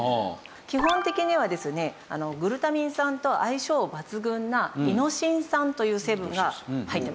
基本的にはですねグルタミン酸と相性抜群なイノシン酸という成分が入ってます。